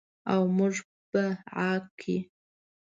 او موږ به عاق کړي.